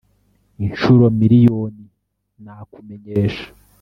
inshuro miriyoni nakumenyesha